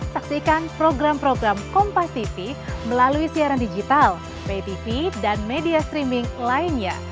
saksikan program program kompasifik melalui siaran digital pay tv dan media streaming lainnya